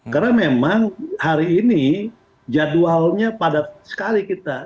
karena memang hari ini jadwalnya padat sekali kita